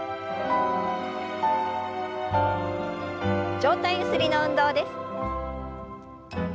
上体ゆすりの運動です。